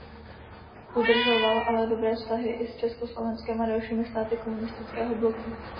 Udržoval ale dobré vztahy i s Československem a dalšími státy komunistického bloku.